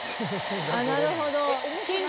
なるほど。